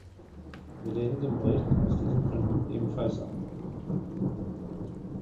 Wir lehnen den Bericht aus diesen Gründen ebenfalls ab.